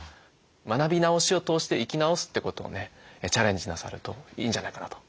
学び直しを通して生き直すってことをねチャレンジなさるといいんじゃないかなと。